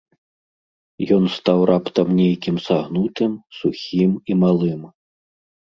Ён стаў раптам нейкім сагнутым, сухім і малым.